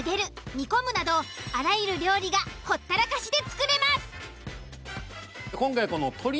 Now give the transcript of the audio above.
煮込むなどあらゆる料理がほったらかしで作れます。